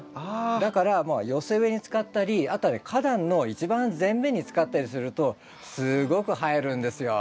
だから寄せ植えに使ったりあとは花壇の一番前面に使ったりするとすごく映えるんですよ。